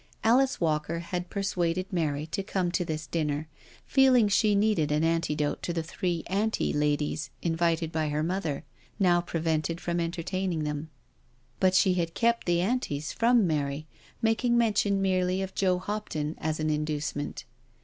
Alice Walker had persuaded Mary to come to this dinner, feeling she needed an antidote to the three " Anti " ladies invited by her mother, now prevented from entertaining them. But she had kept the Antis from Mary, making mention merely of Joe Hopton, as an inducement.